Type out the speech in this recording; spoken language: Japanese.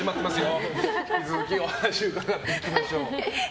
引き続きお話伺っていきましょう。